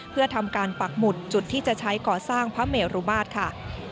เพื่อทำการปักหมุดจุดที่จะใช้ก่อสร้างพระเมรุมาตรค่ะ